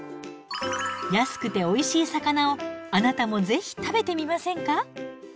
安くておいしい魚をあなたもぜひ食べてみませんか？